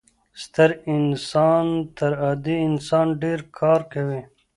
ستر انسان تر عادي انسان ډیر کار کوي.